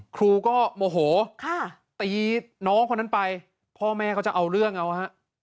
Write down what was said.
ครูก็โมโหตีน้องคนนั้นไปพ่อแม่ก็จะเอาเรื่องเอาฮะ